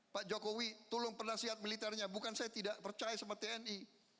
pak jokowi tolong penasihat militernya bukan saya tidak percaya sama tni